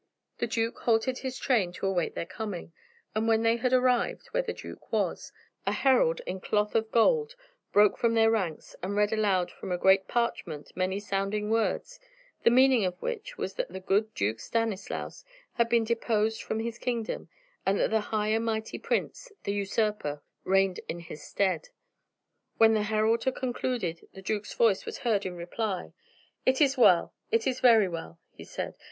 The duke halted his train to await their coming, and when they had arrived where the duke was, a herald in cloth of gold broke from their ranks and read aloud from a great parchment many sounding words the meaning of which was that the good Duke Stanislaus had been deposed from his kingdom, and that the High and Mighty Prince, the usurper, reigned in his stead. When the herald had concluded the duke's voice was heard in reply: "It is well it is very well!" he said.